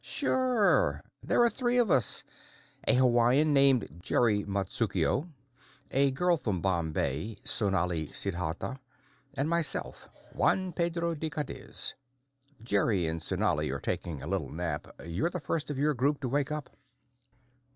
"Sure. There were three of us: a Hawaiian named Jerry Matsukuo; a girl from Bombay, Sonali Siddhartha; and myself, Juan Pedro de Cadiz. Jerry and Sonali are taking a little nap. You're the first of your group to wake up."